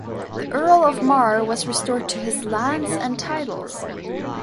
The Earl of Mar was restored to his lands and titles.